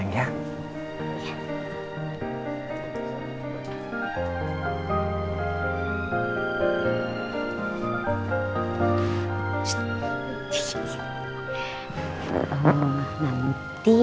sebagai ditinggalkan banyak hal disini